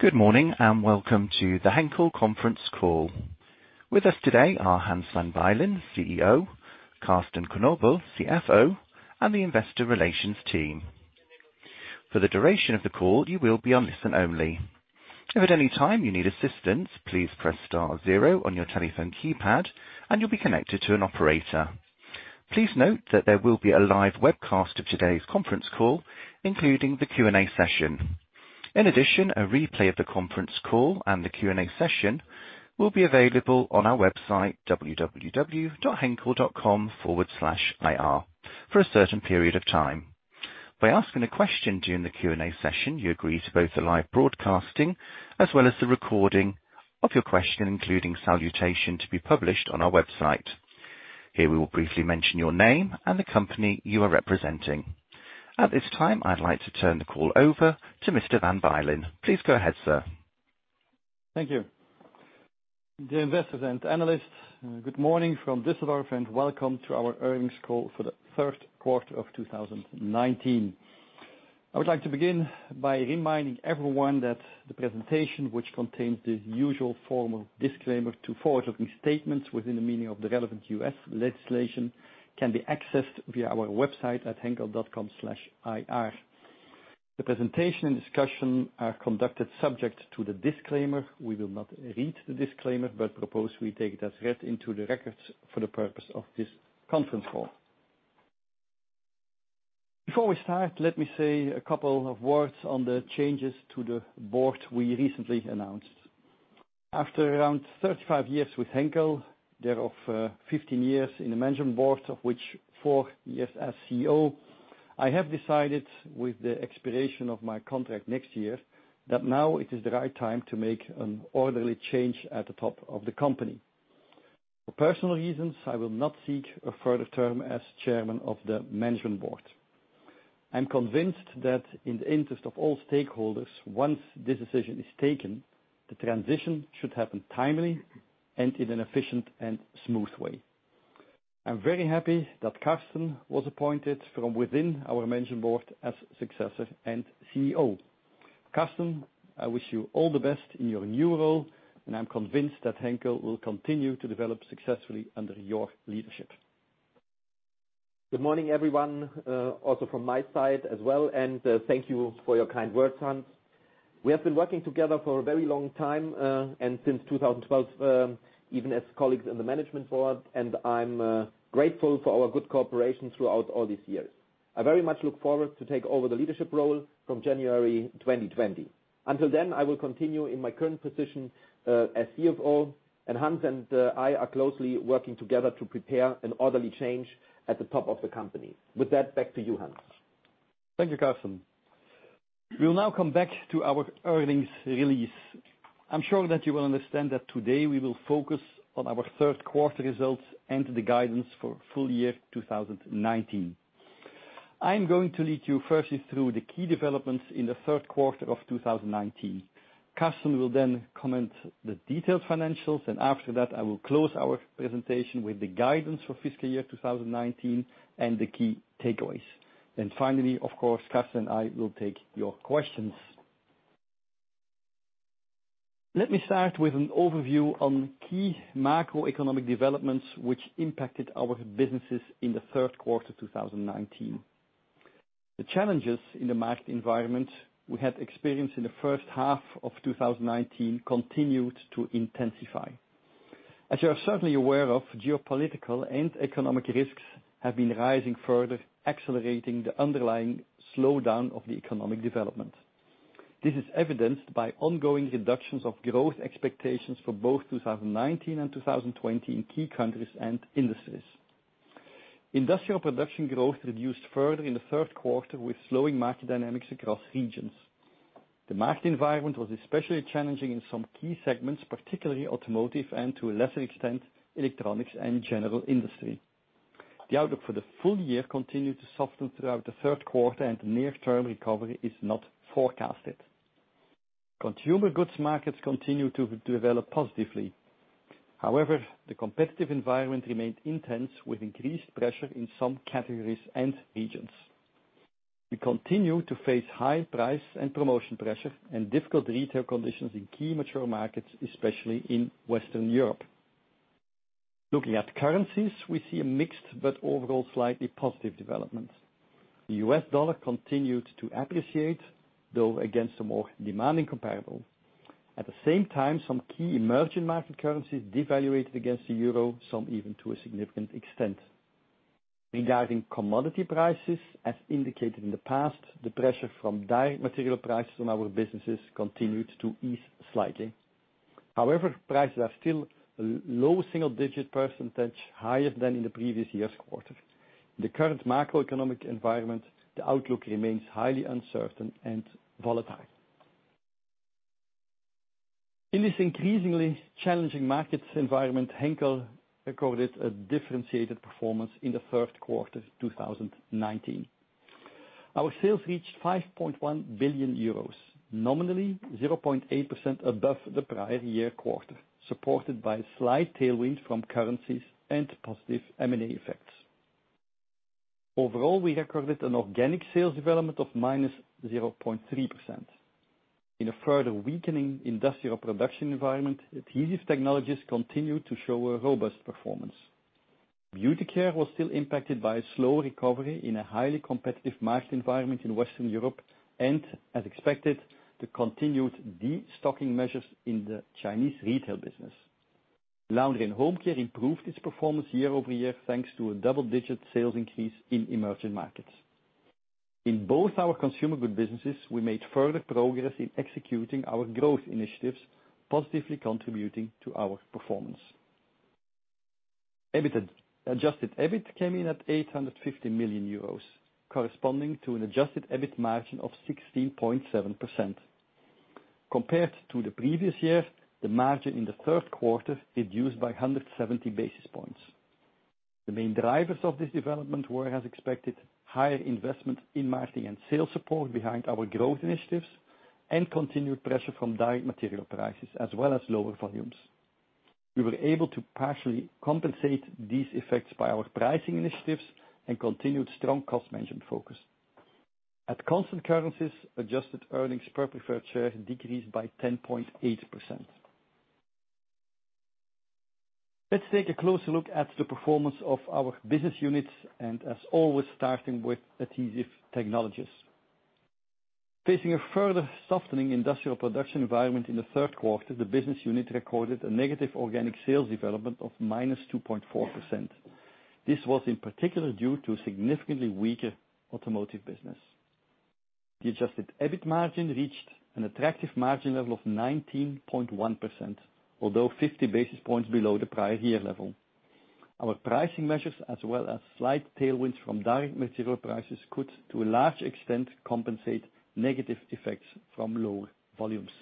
Good morning, welcome to the Henkel conference call. With us today are Hans Van Bylen, CEO, Carsten Knobel, CFO, and the Investor Relations team. For the duration of the call, you will be on listen only. If at any time you need assistance, please press star zero on your telephone keypad and you'll be connected to an operator. Please note that there will be a live webcast of today's conference call, including the Q&A session. A replay of the conference call and the Q&A session will be available on our website, henkel.com/ir, for a certain period of time. By asking a question during the Q&A session, you agree to both the live broadcasting as well as the recording of your question, including salutation, to be published on our website. Here we will briefly mention your name and the company you are representing. At this time, I'd like to turn the call over to Mr. Van Bylen. Please go ahead, sir. Thank you. Dear investors and analysts, good morning from Düsseldorf and welcome to our earnings call for the third quarter of 2019. I would like to begin by reminding everyone that the presentation, which contains the usual formal disclaimer to forward-looking statements within the meaning of the relevant U.S. legislation, can be accessed via our website at henkel.com/ir. The presentation and discussion are conducted subject to the disclaimer. We will not read the disclaimer, propose we take it as read into the records for the purpose of this conference call. Before we start, let me say a couple of words on the changes to the board we recently announced. After around 35 years with Henkel, thereof 15 years in the Management Board, of which four years as CEO, I have decided with the expiration of my contract next year that now it is the right time to make an orderly change at the top of the company. For personal reasons, I will not seek a further term as chairman of the Management Board. I'm convinced that in the interest of all stakeholders, once this decision is taken, the transition should happen timely and in an efficient and smooth way. I'm very happy that Carsten was appointed from within our Management Board as successor and CEO. Carsten, I wish you all the best in your new role, and I'm convinced that Henkel will continue to develop successfully under your leadership. Good morning, everyone, also from my side as well. Thank you for your kind words, Hans. We have been working together for a very long time, since 2012, even as colleagues in the Management Board. I'm grateful for our good cooperation throughout all these years. I very much look forward to take over the leadership role from January 2020. Until then, I will continue in my current position as CFO. Hans and I are closely working together to prepare an orderly change at the top of the company. With that, back to you, Hans. Thank you, Carsten. We'll now come back to our earnings release. I'm sure that you will understand that today we will focus on our third quarter results and the guidance for full year 2019. I'm going to lead you firstly through the key developments in the third quarter of 2019. Carsten will then comment the detailed financials. After that, I will close our presentation with the guidance for fiscal year 2019 and the key takeaways. Finally, of course, Carsten and I will take your questions. Let me start with an overview on key macroeconomic developments which impacted our businesses in the third quarter 2019. The challenges in the market environment we had experienced in the first half of 2019 continued to intensify. As you are certainly aware of, geopolitical and economic risks have been rising further, accelerating the underlying slowdown of the economic development. This is evidenced by ongoing reductions of growth expectations for both 2019 and 2020 in key countries and industries. Industrial production growth reduced further in the third quarter with slowing market dynamics across regions. The market environment was especially challenging in some key segments, particularly automotive and, to a lesser extent, Electronics and General Industry. The outlook for the full year continued to soften throughout the third quarter. Near-term recovery is not forecasted. Consumer goods markets continue to develop positively. The competitive environment remained intense, with increased pressure in some categories and regions. We continue to face high price and promotion pressure and difficult retail conditions in key mature markets, especially in Western Europe. Looking at currencies, we see a mixed but overall slightly positive development. The US dollar continued to appreciate, though against a more demanding comparable. At the same time, some key emerging market currencies devaluated against the Euro, some even to a significant extent. Regarding commodity prices, as indicated in the past, the pressure from dye material prices on our businesses continued to ease slightly. Prices are still low single digit percentage higher than in the previous year's quarter. In the current macroeconomic environment, the outlook remains highly uncertain and volatile. In this increasingly challenging market environment, Henkel recorded a differentiated performance in the third quarter 2019. Our sales reached 5.1 billion euros, nominally 0.8% above the prior-year quarter, supported by a slight tailwind from currencies and positive M&A effects. Overall, we recorded an organic sales development of minus 0.3%. In a further weakening industrial production environment, Adhesive Technologies continued to show a robust performance. Beauty Care was still impacted by a slow recovery in a highly competitive market environment in Western Europe, and as expected, the continued de-stocking measures in the Chinese retail business. Laundry & Home Care improved its performance year-over-year, thanks to a double-digit sales increase in emerging markets. In both our consumer goods businesses, we made further progress in executing our growth initiatives, positively contributing to our performance. Adjusted EBIT came in at 850 million euros, corresponding to an adjusted EBIT margin of 16.7%. Compared to the previous year, the margin in the third quarter reduced by 170 basis points. The main drivers of this development were, as expected, higher investment in marketing and sales support behind our growth initiatives and continued pressure from direct material prices, as well as lower volumes. We were able to partially compensate these effects by our pricing initiatives and continued strong cost management focus. At constant currencies, adjusted earnings per preferred share decreased by 10.8%. Let's take a closer look at the performance of our business units, and as always, starting with Adhesive Technologies. Facing a further softening industrial production environment in the third quarter, the business unit recorded a negative organic sales development of minus 2.4%. This was in particular due to significantly weaker automotive business. The adjusted EBIT margin reached an attractive margin level of 19.1%, although 50 basis points below the prior-year level. Our pricing measures as well as slight tailwinds from direct material prices could to a large extent compensate negative effects from lower volumes.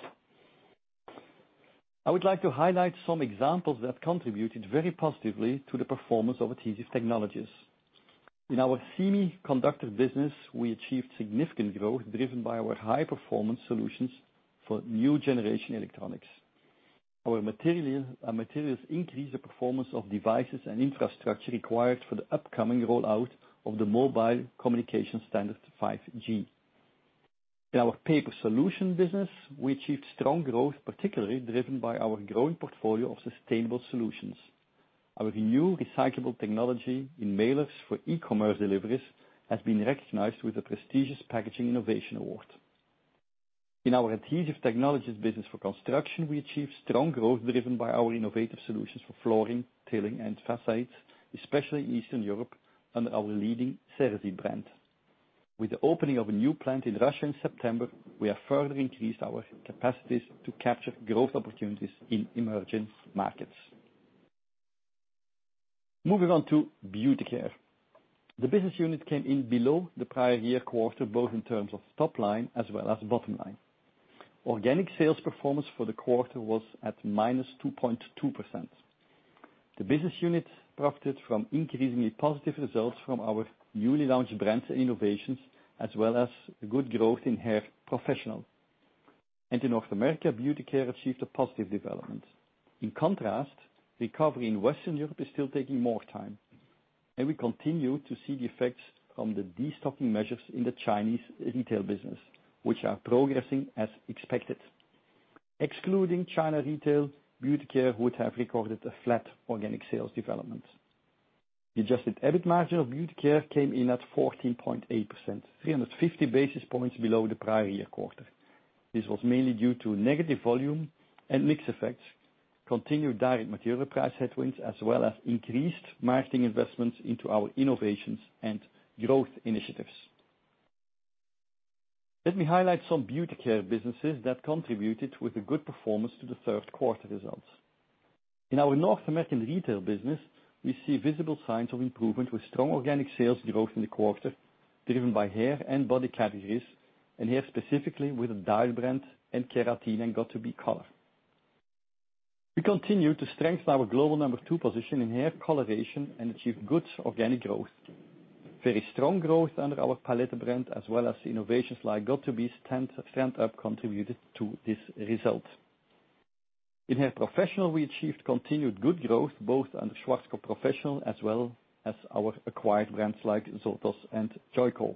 I would like to highlight some examples that contributed very positively to the performance of Adhesive Technologies. In our semiconductor business, we achieved significant growth driven by our high-performance solutions for new generation Electronics. Our materials increase the performance of devices and infrastructure required for the upcoming rollout of the mobile communication standard 5G. In our paper solutions business, we achieved strong growth, particularly driven by our growing portfolio of sustainable solutions. Our new recyclable technology in mailers for e-commerce deliveries has been recognized with a prestigious Packaging innovation award. In our Adhesive Technologies business for construction, we achieved strong growth driven by our innovative solutions for flooring, tiling, and facades, especially in Eastern Europe under our leading Ceresit brand. With the opening of a new plant in Russia in September, we have further increased our capacities to capture growth opportunities in emerging markets. Moving on to Beauty Care. The business unit came in below the prior-year quarter, both in terms of top line as well as bottom line. Organic sales performance for the quarter was at minus 2.2%. The business unit profited from increasingly positive results from our newly launched brands and innovations, as well as good growth in Hair Professional. In North America, Beauty Care achieved a positive development. In contrast, recovery in Western Europe is still taking more time, and we continue to see the effects from the de-stocking measures in the Chinese retail business, which are progressing as expected. Excluding China Retail, Beauty Care would have recorded a flat organic sales development. The adjusted EBIT margin of Beauty Care came in at 14.8%, 350 basis points below the prior-year quarter. This was mainly due to negative volume and mix effects, continued direct material price headwinds, as well as increased marketing investments into our innovations and growth initiatives. Let me highlight some Beauty Care businesses that contributed with a good performance to the third quarter results. In our North American retail business, we see visible signs of improvement with strong organic sales growth in the quarter, driven by hair and body categories, and hair specifically with the Dial brand and Keratin Color and göt2b color. We continue to strengthen our global number two position in hair coloration and achieve good organic growth. Very strong growth under our Palette brand as well as innovations like göt2b stand up contributed to this result. In Hair Professional, we achieved continued good growth both under Schwarzkopf Professional as well as our acquired brands like Zotos and Joico.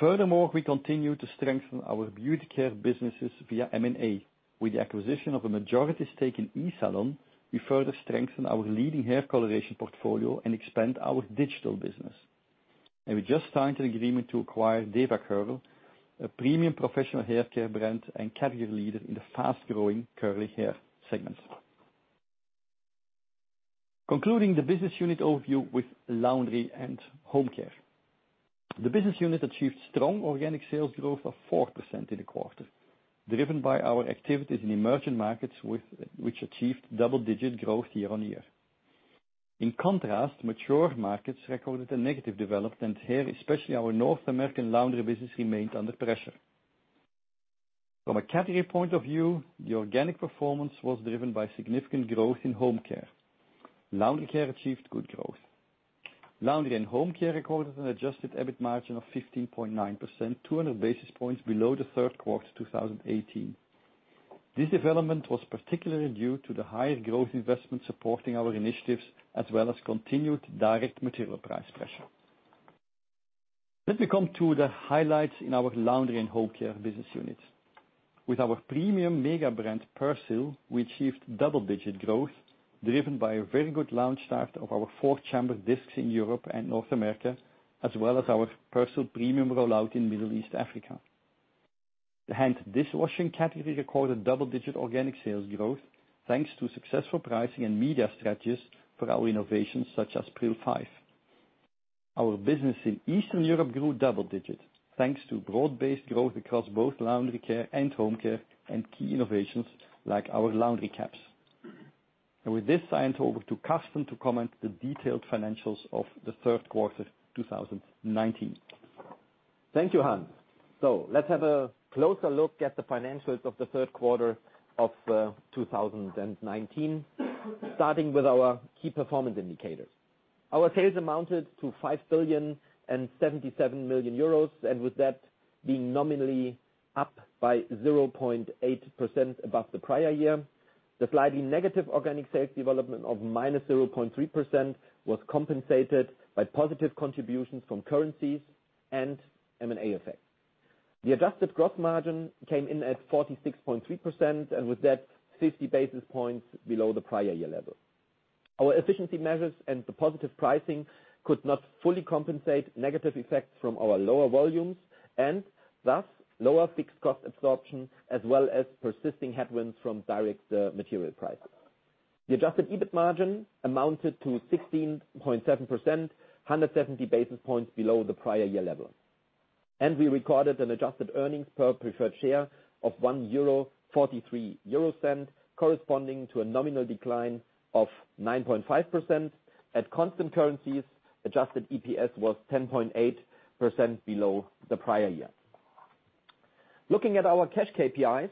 Furthermore, we continue to strengthen our Beauty Care businesses via M&A. With the acquisition of a majority stake in eSalon, we further strengthen our leading hair coloration portfolio and expand our digital business. We just signed an agreement to acquire DevaCurl, a premium professional hair care brand and category leader in the fast-growing curly hair segment. Concluding the business unit overview with Laundry & Home Care. The business unit achieved strong organic sales growth of 4% in the quarter, driven by our activities in emerging markets, which achieved double-digit growth year-on-year. In contrast, mature markets recorded a negative development. Here, especially our North American laundry business remained under pressure. From a category point of view, the organic performance was driven by significant growth in home care. Laundry care achieved good growth. Laundry & Home Care recorded an adjusted EBIT margin of 15.9%, 200 basis points below the third quarter 2018. This development was particularly due to the higher growth investment supporting our initiatives, as well as continued direct material price pressure. Let me come to the highlights in our Laundry & Home Care business unit. With our premium mega brand, Persil, we achieved double-digit growth, driven by a very good launch start of our 4th chamber discs in Europe and North America, as well as our Persil premium rollout in Middle East Africa. The hand dishwashing category recorded double-digit organic sales growth, thanks to successful pricing and media strategies for our innovations such as Pril 5. Our business in Eastern Europe grew double digits, thanks to broad-based growth across both laundry care and home care, and key innovations like our laundry caps. With this, I hand over to Carsten to comment the detailed financials of the third quarter 2019. Thank you, Hans. Let's have a closer look at the financials of the third quarter of 2019, starting with our key performance indicators. Our sales amounted to 5,077 million euros, and with that being nominally up by 0.8% above the prior-year. The slightly negative organic sales development of -0.3% was compensated by positive contributions from currencies and M&A effects. The adjusted gross margin came in at 46.3%, and with that 50 basis points below the prior-year level. Our efficiency measures and the positive pricing could not fully compensate negative effects from our lower volumes, and thus lower fixed cost absorption, as well as persisting headwinds from direct material prices. The adjusted EBIT margin amounted to 16.7%, 170 basis points below the prior-year level. And we recorded an adjusted earnings per preferred share of 1.43 euro, corresponding to a nominal decline of 9.5%. At constant currencies, adjusted EPS was 10.8% below the prior-year. Looking at our cash KPIs,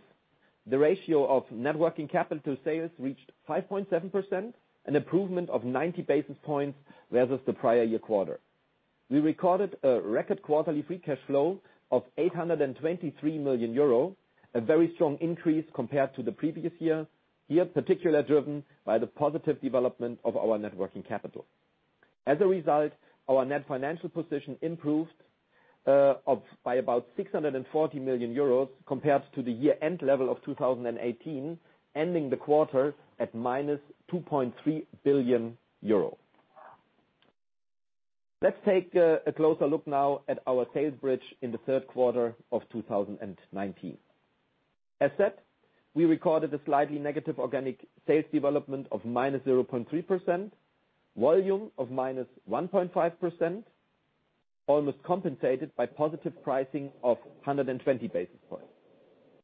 the ratio of net working capital sales reached 5.7%, an improvement of 90 basis points versus the prior-year quarter. We recorded a record quarterly free cash flow of 823 million euro, a very strong increase compared to the previous year. Here, particularly driven by the positive development of our net working capital. As a result, our net financial position improved by about 640 million euros compared to the year-end level of 2018, ending the quarter at minus 2.3 billion euro. Let's take a closer look now at our sales bridge in the third quarter of 2019. As said, we recorded a slightly negative organic sales development of -0.3%, volume of -1.5%, almost compensated by positive pricing of 120 basis points.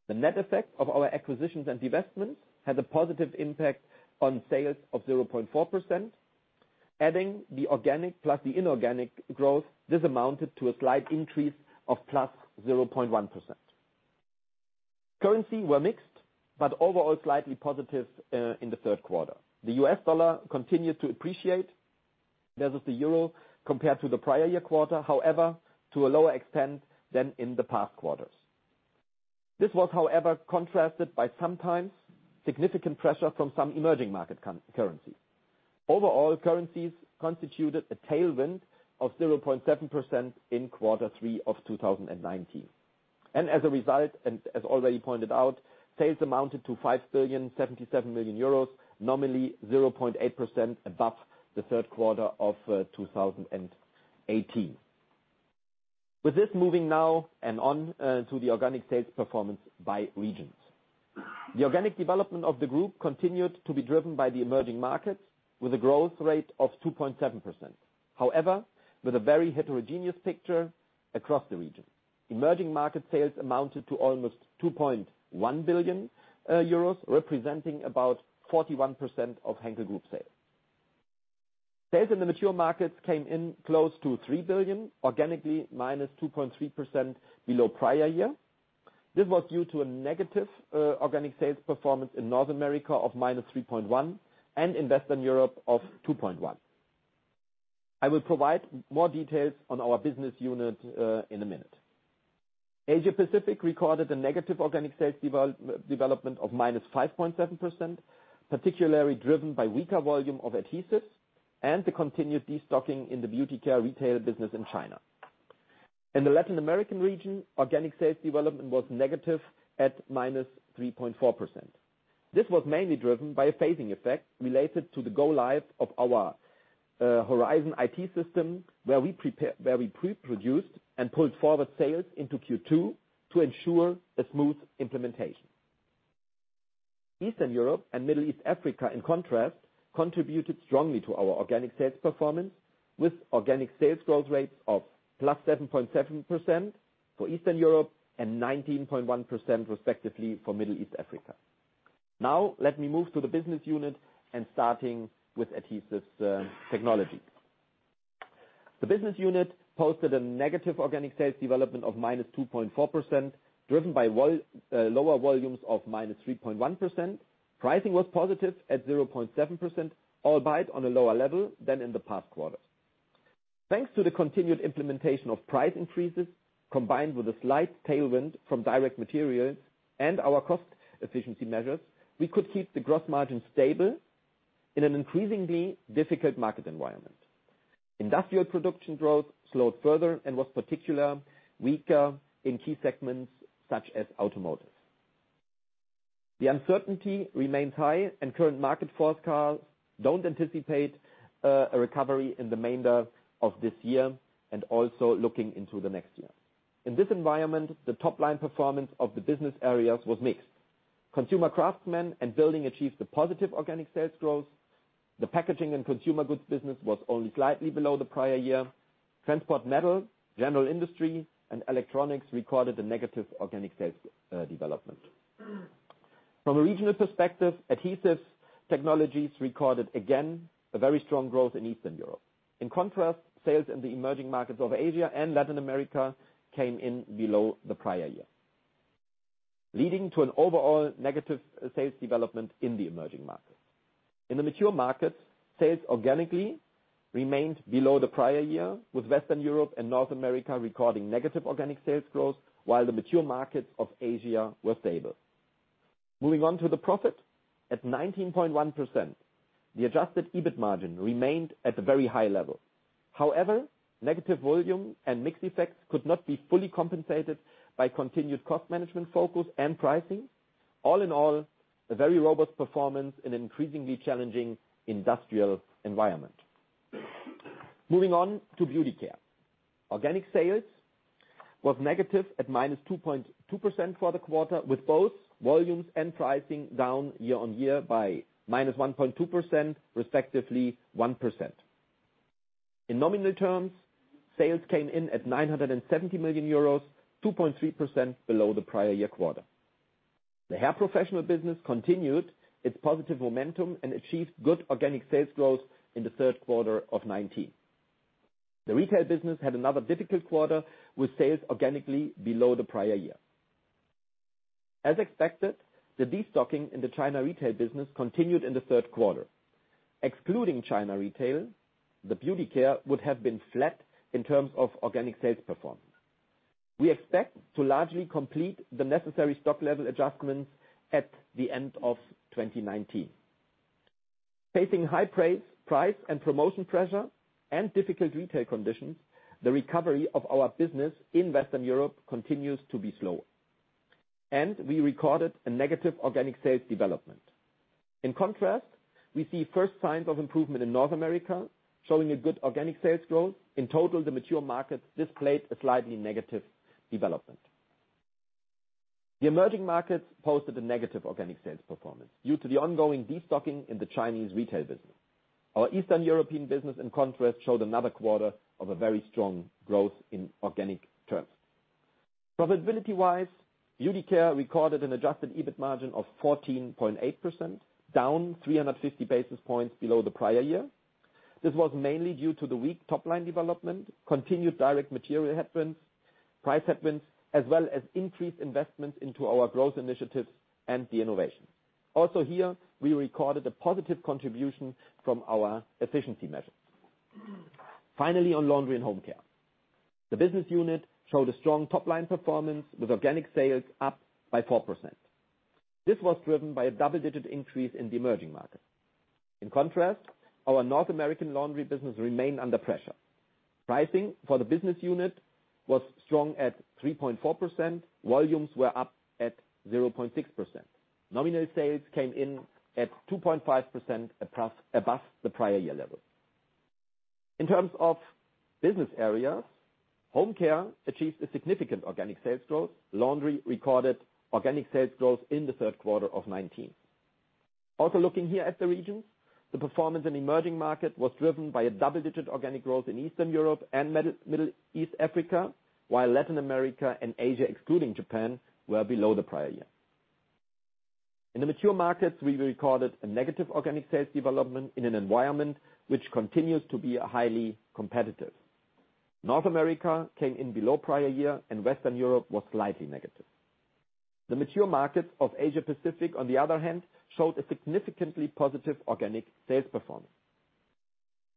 The net effect of our acquisitions and divestments had a positive impact on sales of 0.4%. Adding the organic plus the inorganic growth, this amounted to a slight increase of +0.1%. Currency were mixed, but overall slightly positive in the third quarter. The US dollar continued to appreciate. There is the euro compared to the prior-year quarter, however, to a lower extent than in the past quarters. This was, however, contrasted by sometimes significant pressure from some emerging market currencies. Overall, currencies constituted a tailwind of 0.7% in quarter three of 2019. As a result, and as already pointed out, sales amounted to 5,077 million euros, nominally 0.8% above the third quarter of 2018. With this, moving now and on to the organic sales performance by regions. The organic development of the group continued to be driven by the emerging markets, with a growth rate of 2.7%. However, with a very heterogeneous picture across the region. Emerging market sales amounted to almost 2.1 billion euros, representing about 41% of Henkel Group sales. Sales in the mature markets came in close to 3 billion, organically -2.3% below prior year. This was due to a negative organic sales performance in North America of -3.1%, and in Western Europe of 2.1%. I will provide more details on our business unit in a minute. Asia-Pacific recorded a negative organic sales development of -5.7%, particularly driven by weaker volume of adhesives and the continued destocking in the Beauty Care retail business in China. In the Latin American region, organic sales development was negative at -3.4%. This was mainly driven by a phasing effect related to the go live of our Horizon IP system, where we pre-produced and pulled forward sales into Q2 to ensure a smooth implementation. Eastern Europe and Middle East Africa, in contrast, contributed strongly to our organic sales performance, with organic sales growth rates of +7.7% for Eastern Europe and 19.1% respectively for Middle East Africa. Now let me move to the business unit and starting with Adhesive Technologies. The business unit posted a negative organic sales development of -2.4%, driven by lower volumes of -3.1%. Pricing was positive at 0.7%, albeit on a lower level than in the past quarters. Thanks to the continued implementation of price increases, combined with a slight tailwind from direct materials and our cost efficiency measures, we could keep the gross margin stable in an increasingly difficult market environment. Industrial production growth slowed further and was particularly weaker in key segments such as automotive. The uncertainty remains high and current market forecasts don't anticipate a recovery in the remainder of this year and also looking into the next year. In this environment, the top-line performance of the business areas was mixed. Consumer, Craftsmen and Building achieved a positive organic sales growth. The Packaging and Consumer Goods business was only slightly below the prior-year. Transport Metal, General Industry, and Electronics recorded a negative organic sales development. From a regional perspective, Adhesive Technologies recorded, again, a very strong growth in Eastern Europe. In contrast, sales in the emerging markets of Asia and Latin America came in below the prior-year, leading to an overall negative sales development in the emerging markets. In the mature markets, sales organically remained below the prior-year, with Western Europe and North America recording negative organic sales growth, while the mature markets of Asia were stable. Moving on to the profit. At 19.1%, the adjusted EBIT margin remained at a very high level. However, negative volume and mix effects could not be fully compensated by continued cost management focus and pricing. All in all, a very robust performance in an increasingly challenging industrial environment. Moving on to Beauty Care. Organic sales was negative at -2.2% for the quarter, with both volumes and pricing down year-on-year by -1.2%, respectively 1%. In nominal terms, sales came in at 970 million euros, 2.3% below the prior-year quarter. The Hair Professional business continued its positive momentum and achieved good organic sales growth in the third quarter of 2019. The retail business had another difficult quarter with sales organically below the prior-year. As expected, the destocking in the China retail business continued in the third quarter. Excluding China retail, the Beauty Care would have been flat in terms of organic sales performance. We expect to largely complete the necessary stock level adjustments at the end of 2019. Facing high price and promotion pressure and difficult retail conditions, the recovery of our business in Western Europe continues to be slow, and we recorded a negative organic sales development. In contrast, we see first signs of improvement in North America, showing a good organic sales growth. In total, the mature markets displayed a slightly negative development. The emerging markets posted a negative organic sales performance due to the ongoing destocking in the Chinese retail business. Our Eastern European business, in contrast, showed another quarter of a very strong growth in organic terms. Profitability-wise, Beauty Care recorded an adjusted EBIT margin of 14.8%, down 350 basis points below the prior-year. This was mainly due to the weak top-line development, continued direct material headwinds, price headwinds, as well as increased investments into our growth initiatives and the innovation. Also here, we recorded a positive contribution from our efficiency measures. Finally, on Laundry and Home Care. The business unit showed a strong top-line performance with organic sales up by 4%. This was driven by a double-digit increase in the emerging markets. In contrast, our North American laundry business remained under pressure. Pricing for the business unit was strong at 3.4%. Volumes were up at 0.6%. Nominal sales came in at 2.5% above the prior-year level. In terms of business areas, Home Care achieved a significant organic sales growth. Laundry recorded organic sales growth in the third quarter of 2019. Looking here at the regions, the performance in emerging markets was driven by a double-digit organic growth in Eastern Europe and Middle East Africa, while Latin America and Asia excluding Japan, were below the prior-year. In the mature markets, we recorded a negative organic sales development in an environment which continues to be highly competitive. North America came in below prior-year and Western Europe was slightly negative. The mature markets of Asia Pacific, on the other hand, showed a significantly positive organic sales performance.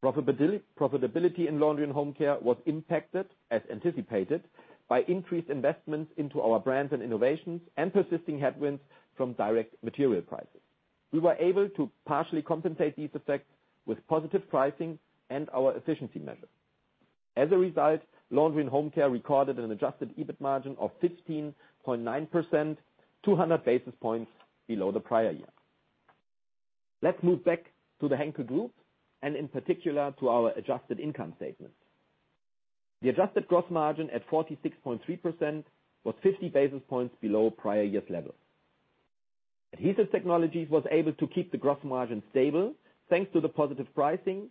Profitability in Laundry & Home Care was impacted, as anticipated, by increased investments into our brands and innovations and persisting headwinds from direct material prices. We were able to partially compensate these effects with positive pricing and our efficiency measures. As a result, Laundry & Home Care recorded an adjusted EBIT margin of 15.9%, 200 basis points below the prior-year. Let's move back to the Henkel Group and in particular to our adjusted income statement. The adjusted gross margin at 46.3% was 50 basis points below prior-year's level. Adhesive Technologies was able to keep the gross margin stable thanks to the positive pricing,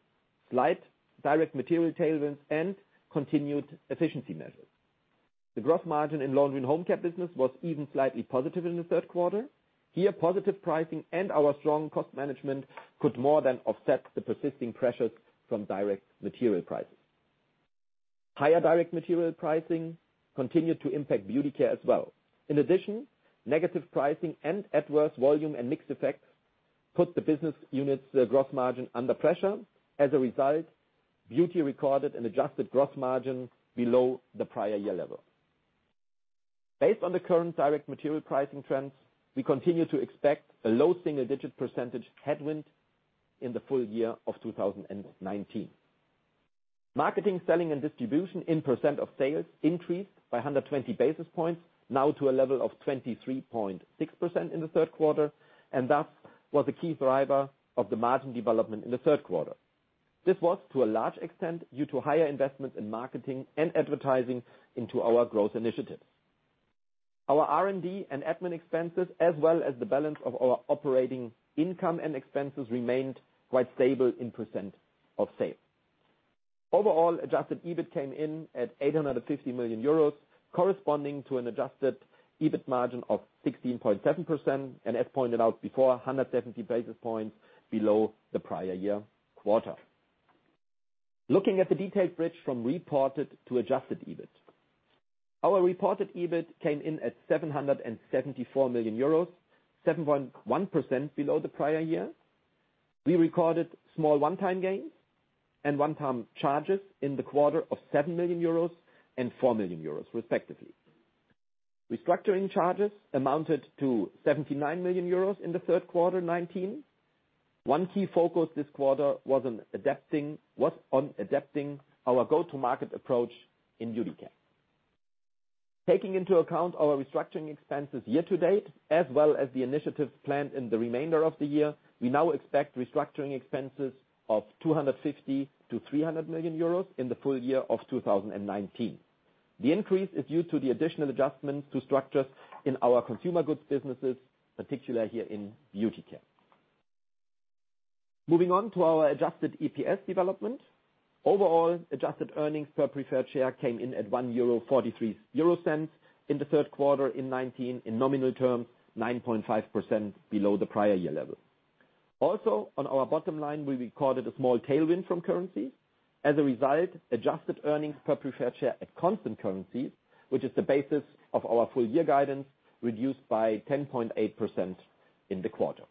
slight direct material tailwinds, and continued efficiency measures. The gross margin in Laundry & Home Care business was even slightly positive in the third quarter. Here, positive pricing and our strong cost management could more than offset the persisting pressures from direct material prices. Higher direct material pricing continued to impact Beauty Care as well. In addition, negative pricing and adverse volume and mix effects put the business unit's gross margin under pressure. As a result, Beauty Care recorded an adjusted gross margin below the prior-year level. Based on the current direct material pricing trends, we continue to expect a low single-digit percentage headwind in the full year of 2019. Marketing, selling, and distribution in percent of sales increased by 120 basis points, now to a level of 23.6% in the third quarter, and thus was the key driver of the margin development in the third quarter. This was to a large extent due to higher investments in marketing and advertising into our growth initiatives. Our R&D and admin expenses, as well as the balance of our operating income and expenses, remained quite stable in percent of sales. Overall, adjusted EBIT came in at 850 million euros, corresponding to an adjusted EBIT margin of 16.7%. As pointed out before, 170 basis points below the prior-year quarter. Looking at the detailed bridge from reported to adjusted EBIT. Our reported EBIT came in at 774 million euros, 7.1% below the prior-year. We recorded small one-time gains and one-time charges in the quarter of 7 million euros and 4 million euros, respectively. Restructuring charges amounted to 79 million euros in the third quarter 2019. One key focus this quarter was on adapting our go-to-market approach in Beauty Care. Taking into account our restructuring expenses year to date, as well as the initiatives planned in the remainder of the year, we now expect restructuring expenses of 250 million-300 million euros in the full year of 2019. The increase is due to the additional adjustments to structures in our consumer goods businesses, particularly here in Beauty Care. Moving on to our adjusted EPS development. Overall, adjusted earnings per preferred share came in at 1.43 euro in the third quarter 2019. In nominal terms, 9.5% below the prior-year level. On our bottom line, we recorded a small tailwind from currency. As a result, adjusted earnings per preferred share at constant currency, which is the basis of our full year guidance, reduced by 10.8% in the quarter.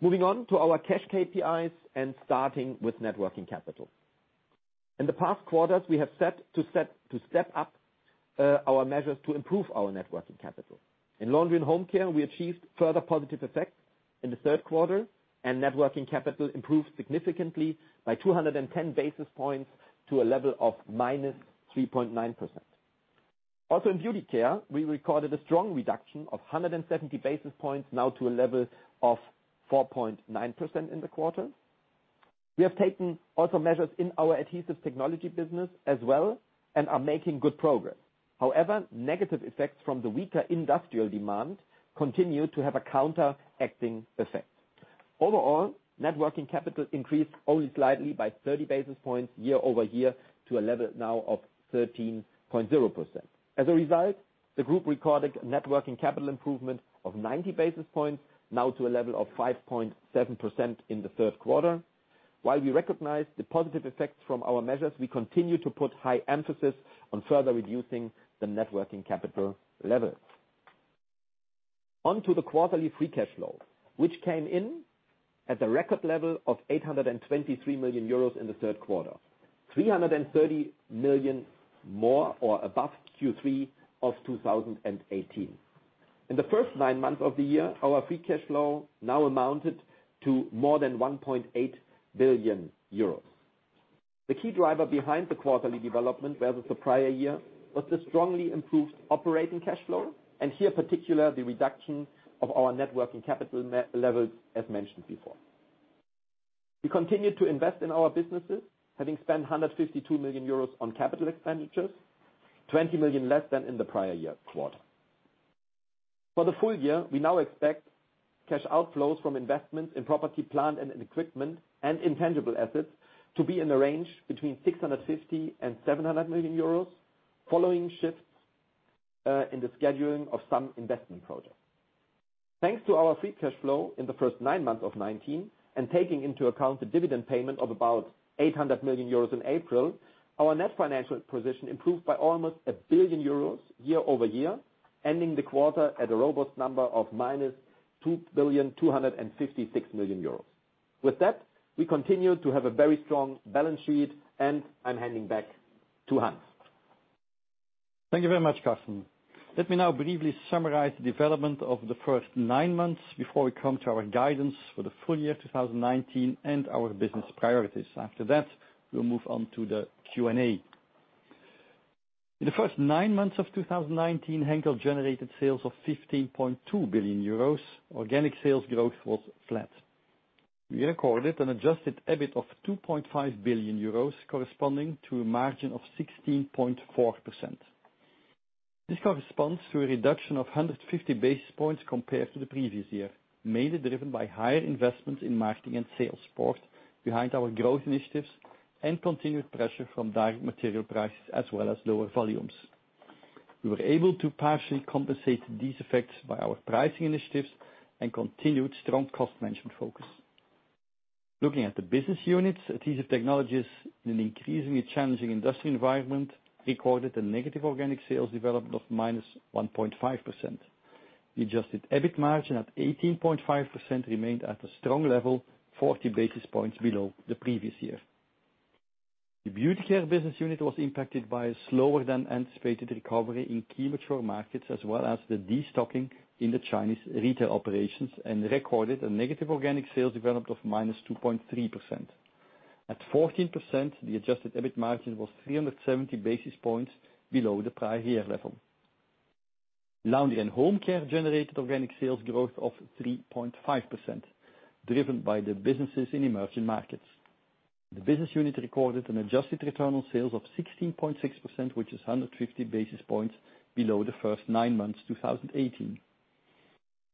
Moving on to our cash KPIs and starting with net working capital. In the past quarters, we have set to step up our measures to improve our net working capital. In Laundry & Home Care, we achieved further positive effects in the third quarter, and net working capital improved significantly by 210 basis points to a level of -3.9%. In Beauty Care, we recorded a strong reduction of 170 basis points, now to a level of 4.9% in the quarter. We have taken also measures in our Adhesive Technologies business as well and are making good progress. Negative effects from the weaker industrial demand continue to have a counteracting effect. Net working capital increased only slightly by 30 basis points year-over-year to a level now of 13.0%. The group recorded net working capital improvement of 90 basis points, now to a level of 5.7% in the third quarter. While we recognize the positive effects from our measures, we continue to put high emphasis on further reducing the net working capital levels. On to the quarterly free cash flow, which came in at the record level of 823 million euros in the third quarter, 330 million more or above Q3 of 2018. In the first nine months of the year, our free cash flow now amounted to more than 1.8 billion euros. The key driver behind the quarterly development versus the prior-year was the strongly improved operating cash flow, and here particularly the reduction of our net working capital levels as mentioned before. We continued to invest in our businesses, having spent 152 million euros on capital expenditures, 20 million less than in the prior-year quarter. For the full year, we now expect cash outflows from investments in property, plant, and equipment, and intangible assets to be in the range between 650 million and 700 million euros, following shifts in the scheduling of some investment projects. Thanks to our free cash flow in the first nine months of 2019, and taking into account the dividend payment of about 800 million euros in April, our net financial position improved by almost 1 billion euros year-over-year, ending the quarter at a robust number of minus 2.256 billion euros. With that, we continue to have a very strong balance sheet, and I'm handing back to Hans. Thank you very much, Carsten. Let me now briefly summarize the development of the first nine months before we come to our guidance for the full year 2019 and our business priorities. After that, we'll move on to the Q&A. In the first nine months of 2019, Henkel generated sales of 15.2 billion euros. Organic sales growth was flat. We recorded an adjusted EBIT of 2.5 billion euros, corresponding to a margin of 16.4%. This corresponds to a reduction of 150 basis points compared to the previous year, mainly driven by higher investments in marketing and sales, both behind our growth initiatives and continued pressure from direct material prices as well as lower volumes. We were able to partially compensate these effects by our pricing initiatives and continued strong cost management focus. Looking at the business units, Adhesive Technologies in an increasingly challenging industry environment, recorded a negative organic sales development of minus 1.5%. The adjusted EBIT margin at 18.5% remained at a strong level, 40 basis points below the previous year. The Beauty Care business unit was impacted by a slower than anticipated recovery in key mature markets, as well as the destocking in the Chinese retail operations, and recorded a negative organic sales development of minus 2.3%. At 14%, the adjusted EBIT margin was 370 basis points below the prior-year level. Laundry & Home Care generated organic sales growth of 3.5%, driven by the businesses in emerging markets. The business unit recorded an adjusted return on sales of 16.6%, which is 150 basis points below the first nine months 2018.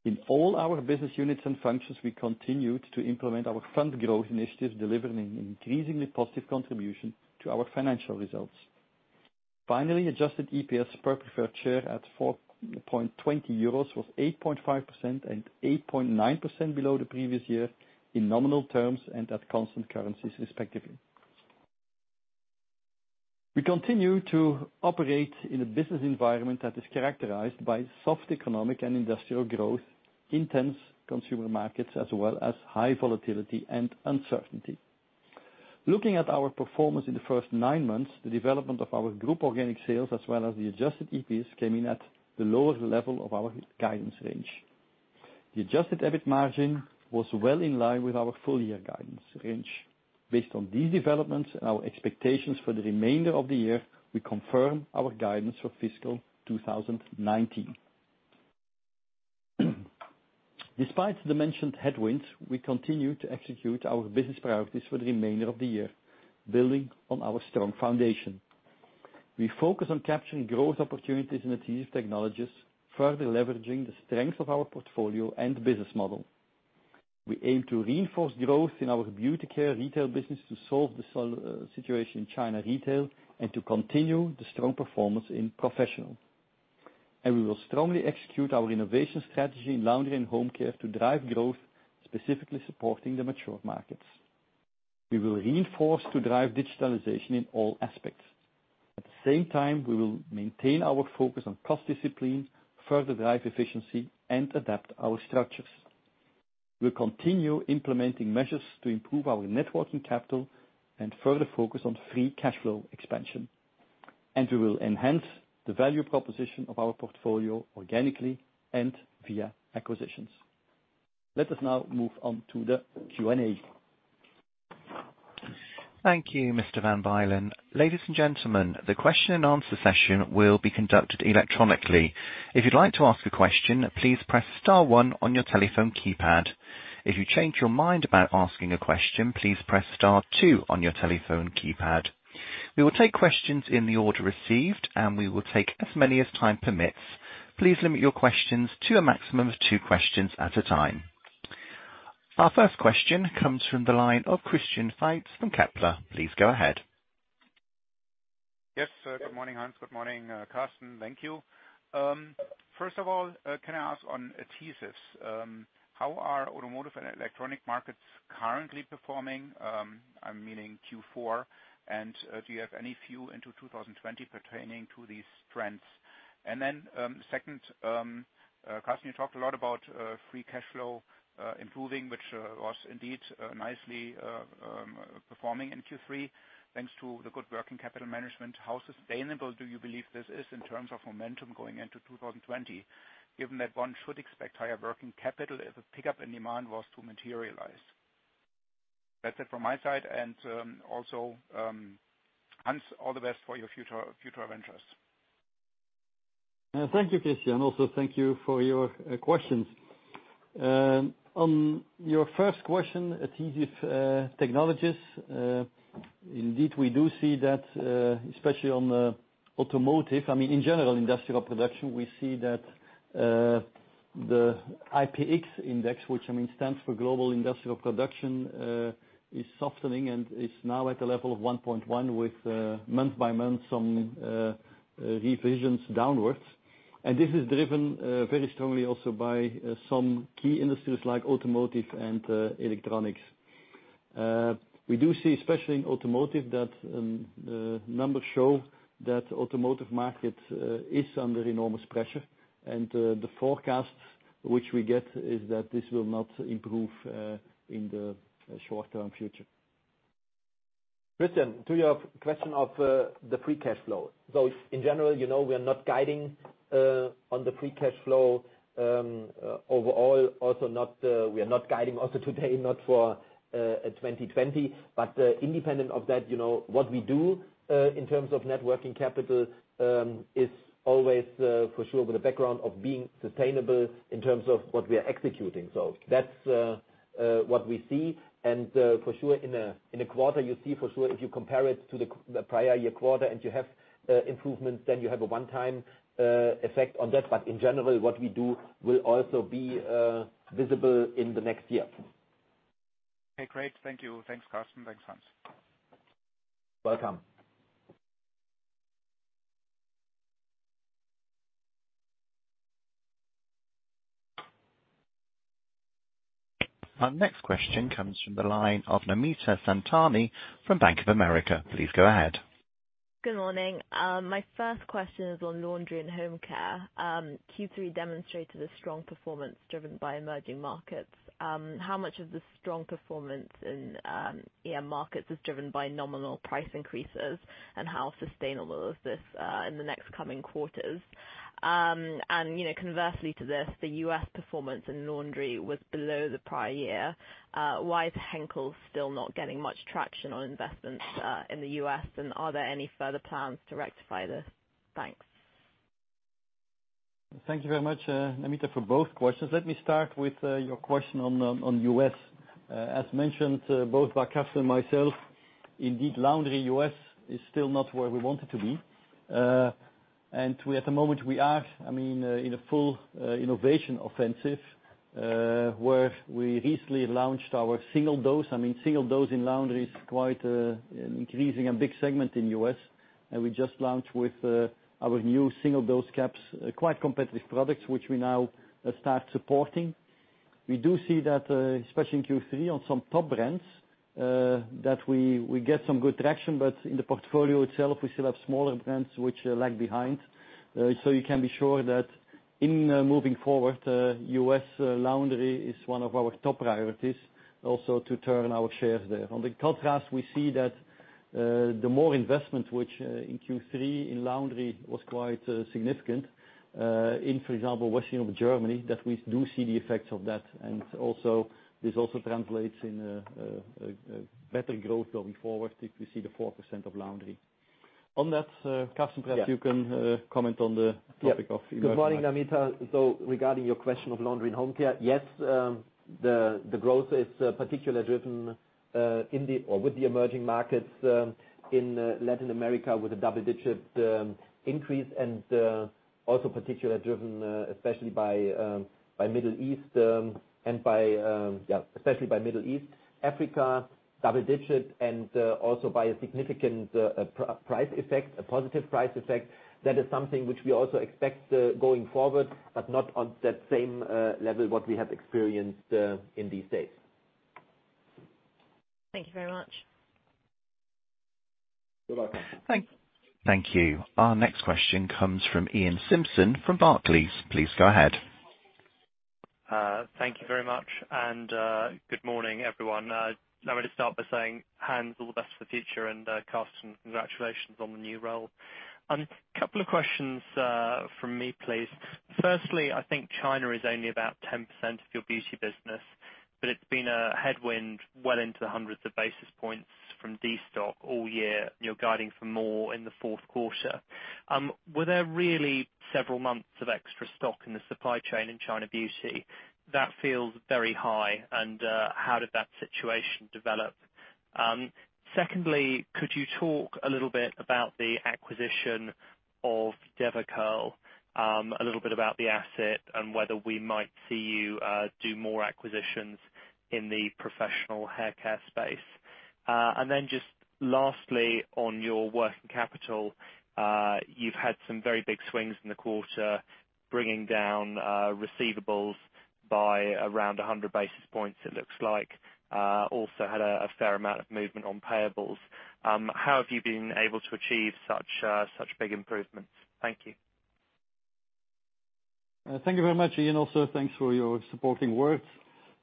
In all our business units and functions, we continued to implement our front-growth initiatives, delivering an increasingly positive contribution to our financial results. Finally, adjusted EPS per preferred share at 4.20 euros was 8.5% and 8.9% below the previous year in nominal terms and at constant currencies, respectively. We continue to operate in a business environment that is characterized by soft economic and industrial growth, intense consumer markets, as well as high volatility and uncertainty. Looking at our performance in the first nine months, the development of our group organic sales as well as the adjusted EPS came in at the lower level of our guidance range. The adjusted EBIT margin was well in line with our full year guidance range. Based on these developments and our expectations for the remainder of the year, we confirm our guidance for fiscal 2019. Despite the mentioned headwinds, we continue to execute our business priorities for the remainder of the year, building on our strong foundation. We focus on capturing growth opportunities in Adhesive Technologies, further leveraging the strength of our portfolio and business model. We aim to reinforce growth in our Beauty Care retail business to solve the situation in China retail, and to continue the strong performance in professional. We will strongly execute our innovation strategy in Laundry & Home Care to drive growth, specifically supporting the mature markets. We will reinforce to drive digitalization in all aspects. At the same time, we will maintain our focus on cost discipline, further drive efficiency, and adapt our structures. We'll continue implementing measures to improve our net working capital and further focus on free cash flow expansion. We will enhance the value proposition of our portfolio organically and via acquisitions. Let us now move on to the Q&A. Thank you, Mr. Van Bylen. Ladies and gentlemen, the question and answer session will be conducted electronically. If you'd like to ask a question, please press star one on your telephone keypad. If you change your mind about asking a question, please press star two on your telephone keypad. We will take questions in the order received, and we will take as many as time permits. Please limit your questions to a maximum of two questions at a time. Our first question comes from the line of Christian Faitz from Kepler. Please go ahead. Yes. Good morning, Hans. Good morning, Carsten. Thank you. First of all, can I ask on adhesives, how are automotive and electronic markets currently performing? I'm meaning Q4. Do you have any view into 2020 pertaining to these trends? Second, Carsten, you talked a lot about free cash flow improving, which was indeed nicely performing in Q3, thanks to the good working capital management. How sustainable do you believe this is in terms of momentum going into 2020, given that one should expect higher working capital if a pickup in demand was to materialize? That's it from my side. Hans, all the best for your future ventures. Thank you, Christian. Also, thank you for your questions. On your first question, Adhesive Technologies, indeed, we do see that, especially on the automotive, in general, industrial production, we see that the IPX index, which stands for global industrial production, is softening and is now at a level of 1.1 with month by month some revisions downwards. This is driven very strongly also by some key industries like automotive and Electronics. We do see, especially in automotive, that the numbers show that automotive market is under enormous pressure, the forecast which we get is that this will not improve in the short-term future. Christian, to your question of the free cash flow. In general, we are not guiding on the free cash flow overall. We are not guiding also today, not for 2020. Independent of that, what we do in terms of net working capital is always for sure with the background of being sustainable in terms of what we are executing. That's what we see. For sure in a quarter, you see for sure if you compare it to the prior-year quarter and you have improvements, then you have a one-time effect on that. In general, what we do will also be visible in the next year. Okay, great. Thank you. Thanks, Carsten. Thanks, Hans. Welcome. Our next question comes from the line of Namita Samtani from Bank of America. Please go ahead. Good morning. My first question is on Laundry & Home Care. Q3 demonstrated a strong performance driven by emerging markets. How much of the strong performance in EM markets is driven by nominal price increases, and how sustainable is this in the next coming quarters? Conversely to this, the U.S. performance in Laundry was below the prior-year. Why is Henkel still not getting much traction on investments in the U.S., and are there any further plans to rectify this? Thanks. Thank you very much, Namita, for both questions. Let me start with your question on U.S. As mentioned, both by Carsten and myself, indeed, Laundry U.S. is still not where we wanted to be. At the moment we are in a full innovation offensive, where we recently launched our single dose. Single dose in Laundry is quite an increasing and big segment in U.S., and we just launched with our new single dose caps, quite competitive products, which we now start supporting. We do see that, especially in Q3 on some top brands, that we get some good traction, but in the portfolio itself, we still have smaller brands which lag behind. You can be sure that in moving forward, U.S. Laundry is one of our top priorities, also to turn our shares there. On the contrast, we see that the more investment, which in Q3 in laundry was quite significant. In, for example, Western of Germany, that we do see the effects of that and this also translates in a better growth going forward if we see the 4% of laundry. On that, Carsten perhaps you can comment on the topic of emerging markets. Good morning, Namita. Regarding your question of Laundry & Home Care. Yes, the growth is particularly driven with the emerging markets in Latin America, with a double-digit increase, and also particularly driven especially by Middle East, Africa, double-digit, and also by a significant positive price effect. That is something which we also expect going forward, but not on that same level, what we have experienced in these states. Thank you very much. You're welcome. Thanks. Thank you. Our next question comes from Iain Simpson from Barclays. Please go ahead. Thank you very much. Good morning, everyone. Now, I'm going to start by saying, Hans, all the best for the future and, Carsten, congratulations on the new role. Couple of questions from me, please. Firstly, I think China is only about 10% of your beauty business, but it's been a headwind well into the hundreds of basis points from destock all year. You're guiding for more in the fourth quarter. Were there really several months of extra stock in the supply chain in China Beauty? That feels very high. How did that situation develop? Secondly, could you talk a little bit about the acquisition of DevaCurl, a little bit about the asset, and whether we might see you do more acquisitions in the professional haircare space? Just lastly, on your working capital, you've had some very big swings in the quarter, bringing down receivables by around 100 basis points, it looks like. Also had a fair amount of movement on payables. How have you been able to achieve such big improvements? Thank you. Thank you very much, Ian. Also, thanks for your supporting words.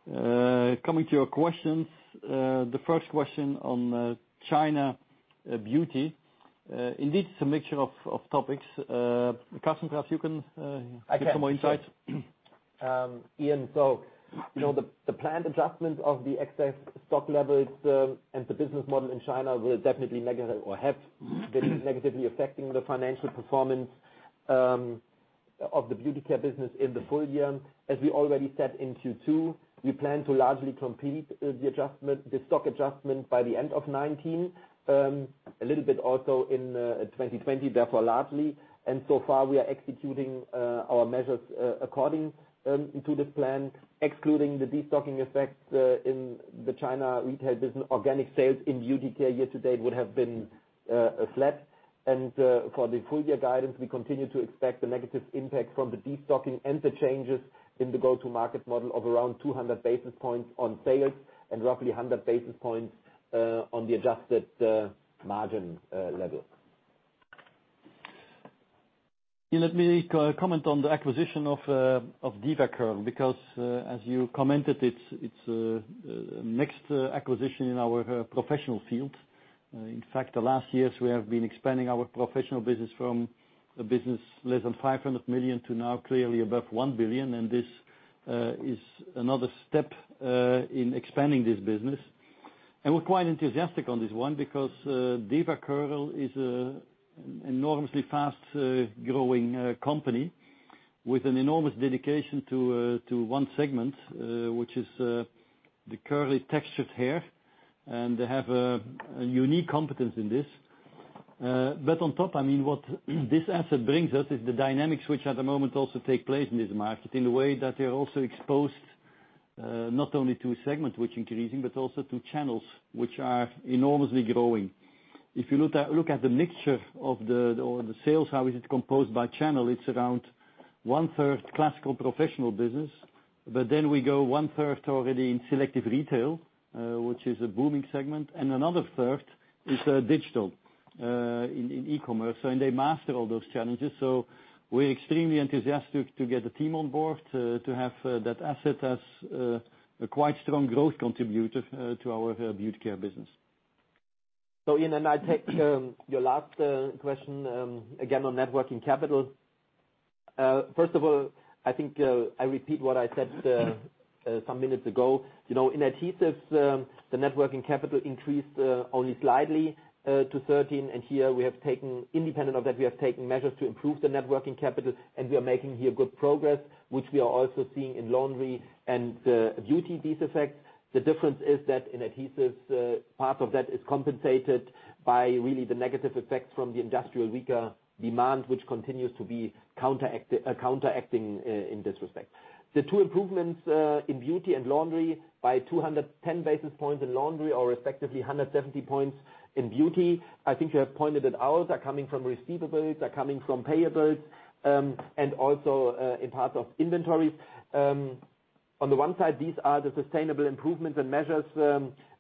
Coming to your questions. The first question on China Beauty. Indeed, it's a mixture of topics. Carsten, perhaps you can give some more insights. Iain, the planned adjustment of the excess stock levels, and the business model in China will definitely, or have been negatively affecting the financial performance of the Beauty Care business in the full year. As we already said in Q2, we plan to largely complete the stock adjustment by the end of 2019. A little bit also in 2020, therefore, largely. So far we are executing our measures according to this plan. Excluding the destocking effect in the China retail business, organic sales in Beauty Care year-to-date would have been flat. For the full year guidance, we continue to expect the negative impact from the destocking and the changes in the go-to-market model of around 200 basis points on sales and roughly 100 basis points on the adjusted margin level. Let me comment on the acquisition of DevaCurl, because, as you commented, it's next acquisition in our professional field. In fact, the last years we have been expanding our professional business from a business less than 500 million to now clearly above 1 billion and this is another step in expanding this business. We're quite enthusiastic on this one because DevaCurl is enormously fast growing company with an enormous dedication to one segment, which is the curly textured hair, and they have a unique competence in this. But on top, what this asset brings us is the dynamics which at the moment also take place in this market, in the way that they're also exposed not only to a segment which increasing, but also to channels which are enormously growing. If you look at the mixture of the sales, how is it composed by channel, it's around one-third classical professional business. We go one-third already in selective retail, which is a booming segment, and another third is digital in e-commerce. They master all those challenges. We're extremely enthusiastic to get the team on board to have that asset as a quite strong growth contributor to our Beauty Care business. Iain, I take your last question again on networking capital. First of all, I think I repeat what I said some minutes ago. In Adhesives, the networking capital increased only slightly to 13. Here, independent of that, we have taken measures to improve the networking capital, and we are making here good progress, which we are also seeing in Laundry and Beauty, these effects. The difference is that in Adhesives, part of that is compensated by really the negative effects from the industrial weaker demand, which continues to be counteracting in this respect. The two improvements in Beauty and Laundry by 210 basis points in Laundry or effectively 170 points in Beauty. I think you have pointed that ours are coming from receivables, are coming from payables, and also in part of inventories. On the one side, these are the sustainable improvements and measures,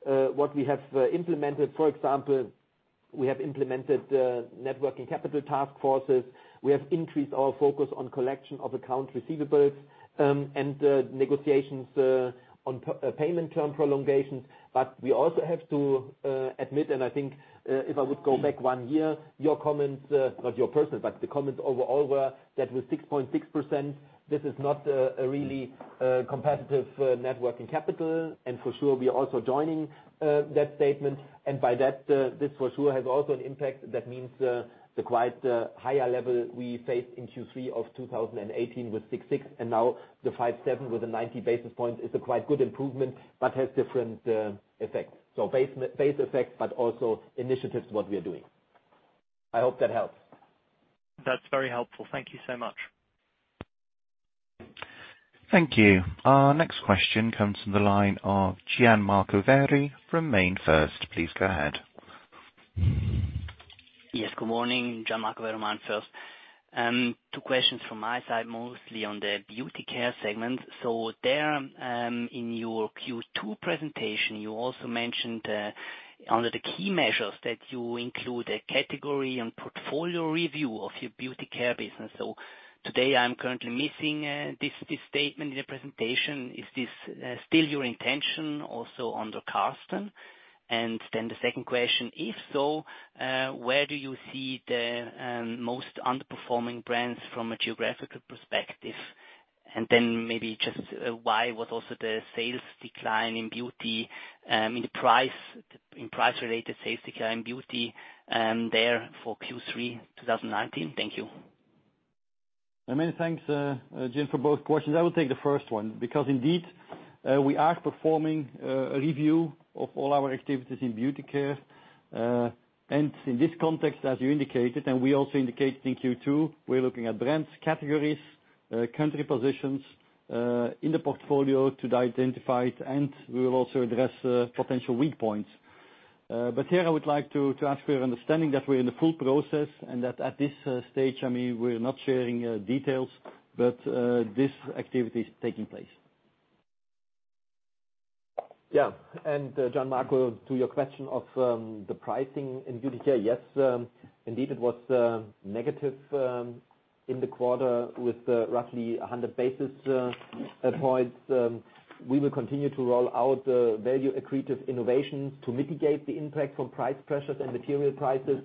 what we have implemented. For example, we have implemented net working capital task forces. We have increased our focus on collection of accounts receivable and negotiations on payment term prolongations. We also have to admit, and I think if I would go back one year, your comments, not your personal, but the comments overall were that with 6.6%, this is not a really competitive net working capital. For sure, we are also joining that statement. By that, this for sure has also an impact. That means the quite higher level we faced in Q3 of 2018 with 6.6%, and now the 5.7% with a 90 basis points is a quite good improvement, but has different effects. Base effects but also initiatives, what we are doing. I hope that helps. That's very helpful. Thank you so much. Thank you. Our next question comes from the line of Gian Marco Werro from MainFirst. Please go ahead. Good morning, Gian Marco Werro, MainFirst. Two questions from my side, mostly on the Beauty Care segment. There in your Q2 presentation, you also mentioned under the key measures that you include a category and portfolio review of your Beauty Care business. Today I'm currently missing this statement in the presentation. Is this still your intention also under Carsten? Then the second question, if so, where do you see the most underperforming brands from a geographical perspective? Then maybe just why was also the sales decline in Beauty Care, in price related sales decline in Beauty Care there for Q3 2019? Thank you. Many thanks, Gian, for both questions. I will take the first one because indeed we are performing a review of all our activities in Beauty Care. In this context, as you indicated, and we also indicated in Q2, we're looking at brands, categories, country positions in the portfolio to identify it, and we will also address potential weak points. Here I would like to ask for your understanding that we're in the full process and that at this stage, we're not sharing details. This activity is taking place. Gian Marco, to your question of the pricing in Beauty Care. Yes, indeed, it was negative in the quarter with roughly 100 basis points. We will continue to roll out value accretive innovations to mitigate the impact from price pressures and material prices,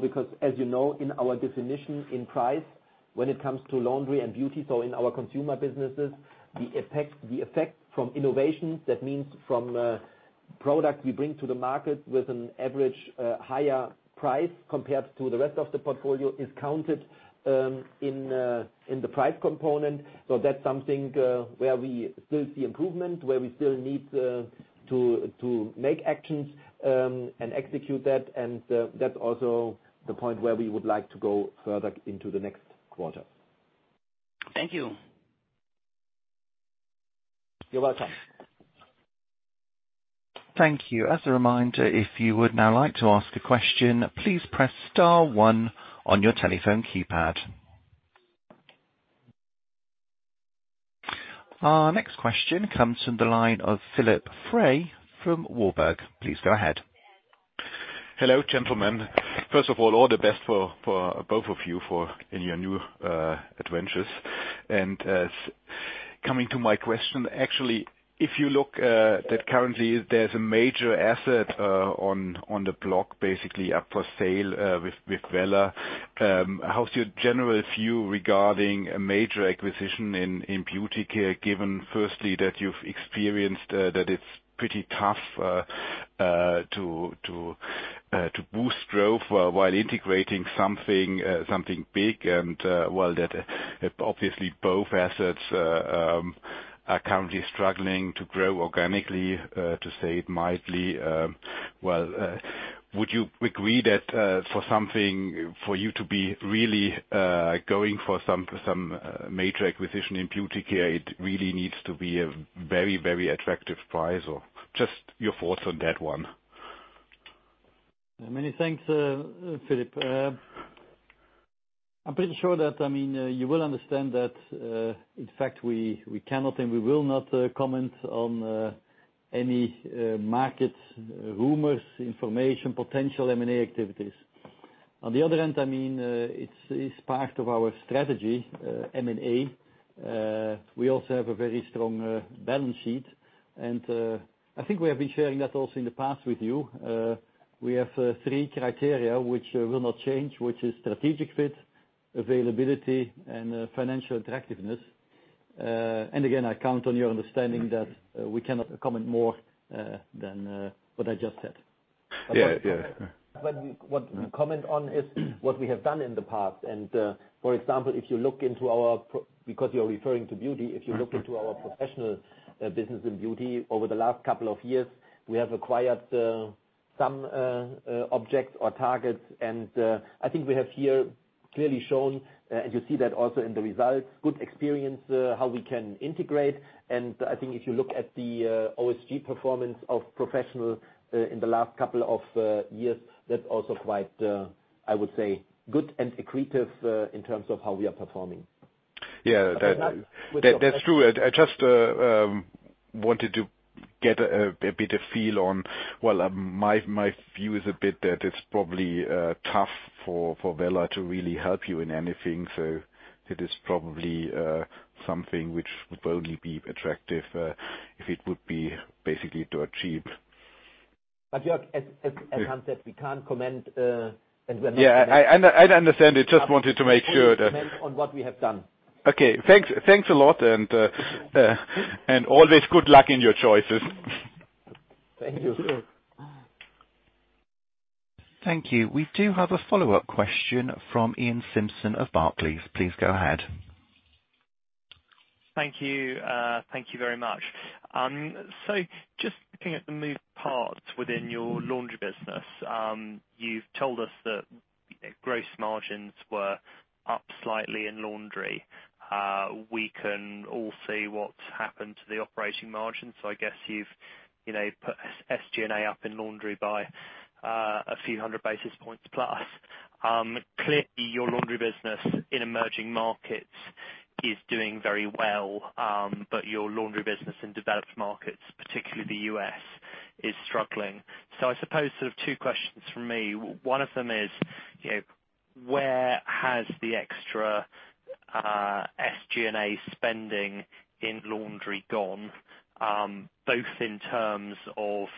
because as you know in our definition in price, when it comes to Laundry and Beauty, so in our consumer businesses, the effect from innovations, that means from product we bring to the market with an average higher price compared to the rest of the portfolio, is counted in the price component. That's something where we still see improvement, where we still need to make actions and execute that. That's also the point where we would like to go further into the next quarter. Thank you. You're welcome. Thank you. As a reminder, if you would now like to ask a question, please press star one on your telephone keypad. Our next question comes from the line of Philipp Frey from Warburg. Please go ahead. Hello, gentlemen. First of all the best for both of you in your new adventures. Coming to my question, actually, if you look that currently there's a major asset on the block, basically up for sale with Wella. How's your general view regarding a major acquisition in Beauty Care, given firstly that you've experienced that it's pretty tough to boost growth while integrating something big and, well, that obviously both assets are currently struggling to grow organically, to say it mildly. Well, would you agree that for you to be really going for some major acquisition in Beauty Care, it really needs to be a very attractive price or just your thoughts on that one? Many thanks, Philipp. I'm pretty sure that you will understand that, in fact, we cannot and we will not comment on any market rumors, information, potential M&A activities. On the other hand, it's part of our strategy, M&A. We also have a very strong balance sheet. I think we have been sharing that also in the past with you. We have three criteria which will not change, which is strategic fit, availability, and financial attractiveness. Again, I count on your understanding that we cannot comment more than what I just said. Yeah. What we comment on is what we have done in the past. For example, because you're referring to beauty, if you look into our professional business in Beauty Care over the last couple of years, we have acquired some objects or targets. I think we have here clearly shown, as you see that also in the results, good experience, how we can integrate. I think if you look at the OSG performance of professional in the last couple of years, that's also quite, I would say, good and accretive in terms of how we are performing. Yeah. That's true. I just wanted to get a bit of feel on Well, my view is a bit that it's probably tough for Wella to really help you in anything. It is probably something which would only be attractive if it would be basically to achieve. Jörg, as Hans said, we can't comment, and we are not- Yeah, I understand. I just wanted to make sure that- We comment on what we have done. Okay, thanks a lot. Always good luck in your choices. Thank you. Thank you. Thank you. We do have a follow-up question from Iain Simpson of Barclays. Please go ahead. Thank you. Thank you very much. Just looking at the moving parts within your laundry business. You've told us that gross margins were up slightly in laundry. We can all see what's happened to the operating margins. I guess you've put SG&A up in laundry by a few hundred basis points plus. Clearly, your laundry business in emerging markets is doing very well, but your laundry business in developed markets, particularly the U.S., is struggling. I suppose sort of two questions from me. One of them is, where has the extra SG&A spending in laundry gone, both in terms of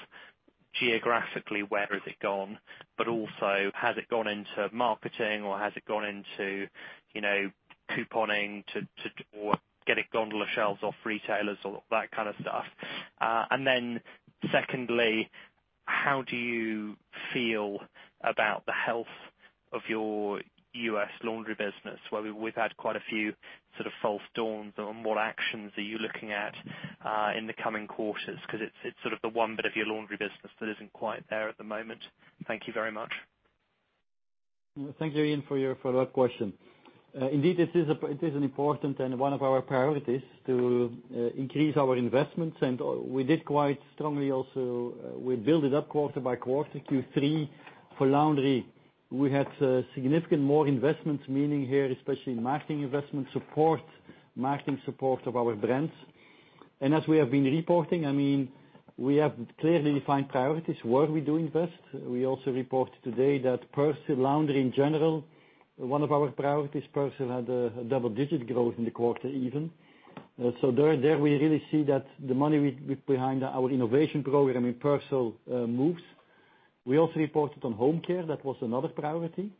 geographically, where has it gone, but also has it gone into marketing or has it gone into couponing to, or getting gondola shelves off retailers or that kind of stuff? Secondly, how do you feel about the health of your U.S. laundry business, where we've had quite a few sort of false dawns, and what actions are you looking at in the coming quarters? It's sort of the one bit of your laundry business that isn't quite there at the moment. Thank you very much. Thank you, Ian, for your follow-up question. Indeed, it is an important and one of our priorities to increase our investments. We did quite strongly also, we build it up quarter by quarter, Q3. For laundry, we had significant more investments, meaning here, especially in marketing investment support, marketing support of our brands. As we have been reporting, we have clearly defined priorities where we do invest. We also reported today that Persil laundry in general, one of our priorities, Persil, had a double-digit growth in the quarter even. There, we really see that the money behind our innovation program in Persil moves. We also reported on home care, that was another priority.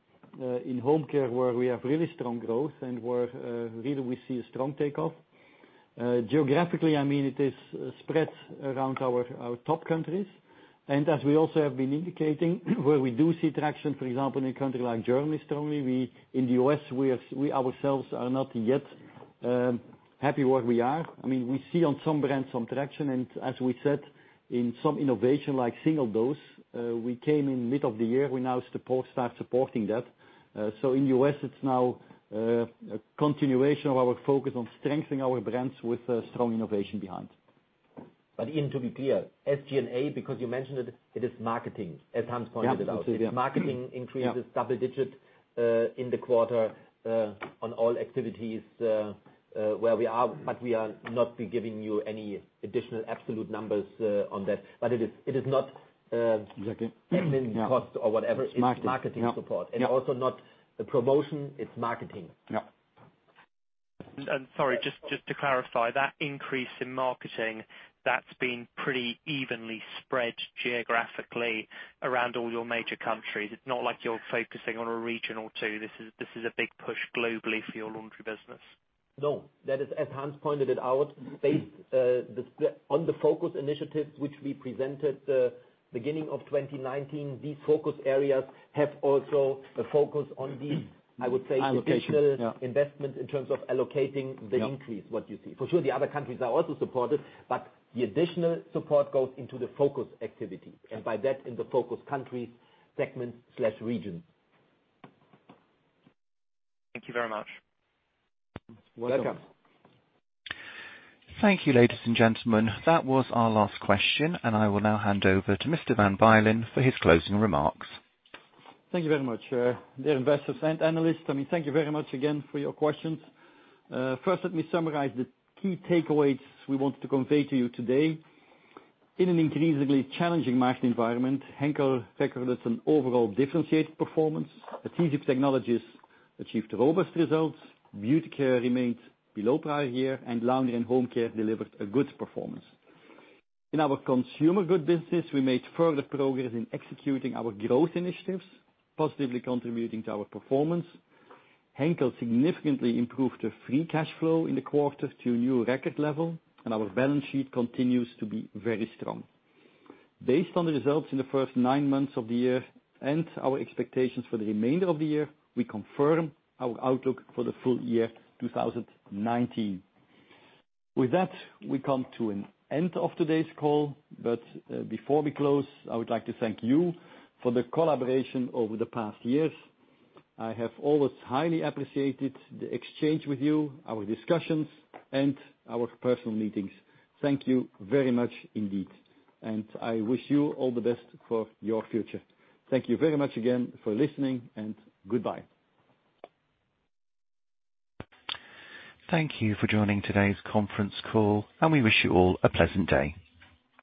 In home care, where we have really strong growth and where really we see a strong takeoff. Geographically, it is spread around our top countries. As we also have been indicating, where we do see traction, for example, in a country like Germany, strongly, we in the U.S., we ourselves are not yet happy where we are. We see on some brands some traction, and as we said, in some innovation like single dose, we came in mid of the year. We now start supporting that. In U.S., it's now a continuation of our focus on strengthening our brands with strong innovation behind. Iain, to be clear, SG&A, because you mentioned it is marketing, as Hans pointed out. Yep. Its marketing increases double-digit in the quarter on all activities where we are, we are not giving you any additional absolute numbers on that. It is not. Exactly. Yeah cost or whatever. It's marketing. It's marketing support. Yeah. Also not the promotion, it's marketing. Yeah. Sorry, just to clarify, that increase in marketing, that's been pretty evenly spread geographically around all your major countries. It's not like you're focusing on a region or two. This is a big push globally for your laundry business. No. That is, as Hans pointed it out, based on the focus initiatives which we presented the beginning of 2019. These focus areas have also a focus on the Allocation. Yeah additional investment in terms of allocating the increase, what you see. For sure, the other countries are also supported, but the additional support goes into the focus activity, and by that, in the focus countries, segment/region. Thank you very much. Welcome. Welcome. Thank you, ladies and gentlemen. That was our last question, and I will now hand over to Mr. Van Bylen for his closing remarks. Thank you very much. Dear investors and analysts, thank you very much again for your questions. First, let me summarize the key takeaways we wanted to convey to you today. In an increasingly challenging market environment, Henkel recorded an overall differentiated performance. Adhesive Technologies achieved robust results. Beauty Care remained below prior-year, and Laundry & Home Care delivered a good performance. In our consumer goods business, we made further progress in executing our growth initiatives, positively contributing to our performance. Henkel significantly improved the free cash flow in the quarter to a new record level, and our balance sheet continues to be very strong. Based on the results in the first nine months of the year and our expectations for the remainder of the year, we confirm our outlook for the full year 2019. With that, we come to an end of today's call, but before we close, I would like to thank you for the collaboration over the past years. I have always highly appreciated the exchange with you, our discussions, and our personal meetings. Thank you very much indeed, and I wish you all the best for your future. Thank you very much again for listening, and goodbye. Thank you for joining today's conference call, and we wish you all a pleasant day.